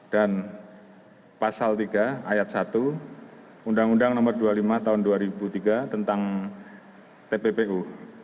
dan pasal tiga ayat satu undang undang nomor dua puluh lima tahun dua ribu tiga tentang tppu